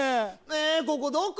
えここどこ？